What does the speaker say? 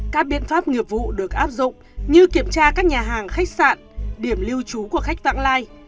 các biện pháp nghiệp vụ được áp dụng như kiểm tra các nhà hàng khách sạn điểm lưu trú của khách vãng lai